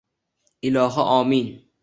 Ilohi omi-i-in!